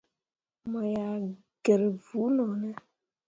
Mo yah gǝr vuu no ne ?